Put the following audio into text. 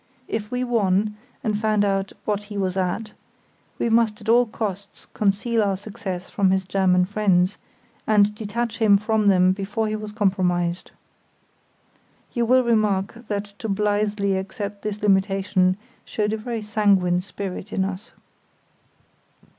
If we won, and found out "what he was at", we must at all costs conceal our success from his German friends, and detach him from them before he was compromised. (You will remark that to blithely accept this limitation showed a very sanguine spirit in us.)